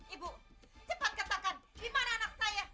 ibu cepat katakan di mana anak saya